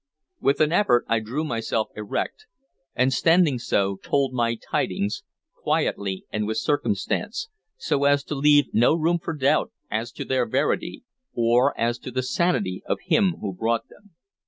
With an effort I drew myself erect, and standing so told my tidings, quietly and with circumstance, so as to leave no room for doubt as to their verity, or as to the sanity of him who brought them.